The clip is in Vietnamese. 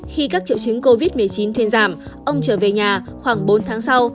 khi các triệu chứng covid một mươi chín thuyên giảm ông trở về nhà khoảng bốn tháng sau